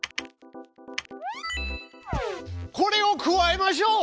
これを加えましょう。